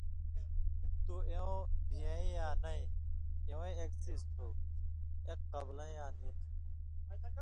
تُو اېوں بِھیے یا نَیں، اِوَیں اېک څیز تھُو؛ اېں قبلَیں یاں نی تھہ۔